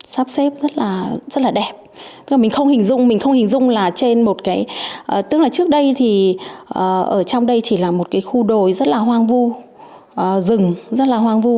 sắp xếp rất là đẹp mình không hình dung là trên một cái tức là trước đây thì ở trong đây chỉ là một cái khu đồi rất là hoang vu rừng rất là hoang vu